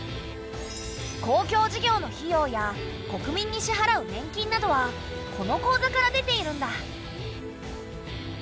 公共事業の費用や国民に支払う年金などはこの口座から出ているんだ。